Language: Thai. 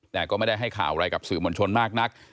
แต่ก็ไม่ได้ให้ข่าวอะไรกับสื่อมวลชนมากนัก